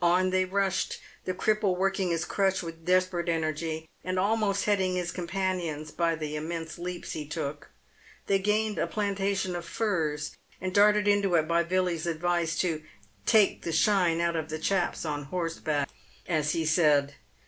On they rushed, the cripple working his crutch with desperate energy, and almost heading his companions by the immense leaps he took. They gained a plan tation of firs, and darted into it by Billy's advice, to " take the shine 294 paved with gold. out of the chaps on horseback," as he said.